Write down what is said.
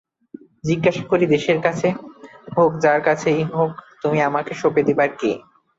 জিজ্ঞাসা করি দেশের কাছে হোক যার কাছেই হোক তুমি আমাকে সঁপে দেবার কে?